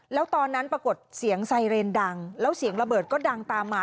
แล้วตอนนั้นปรากฏเสียงไซเรนดังแล้วเสียงระเบิดก็ดังตามมา